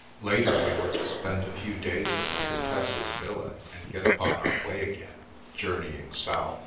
Later, we were to spend a few days at the Con tessa's villa and get upon our way again, journeying south.